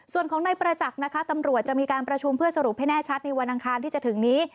ส่วนของนายประจักษ์นะคะตำรวจจะมีการประชุมเพื่อสรุปให้แน่ชัดในวันอังคารที่จะถึงนี้